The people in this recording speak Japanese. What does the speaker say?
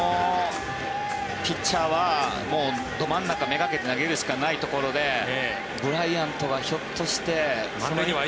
ピッチャーはど真ん中めがけて投げるしかないというところでブライアントがひょっとして。